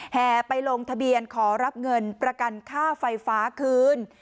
แห่ไปลงทะเบียนขอรับเงินประกันค่าไฟฟ้าคืน